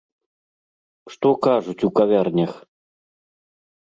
Што кажуць у кавярнях?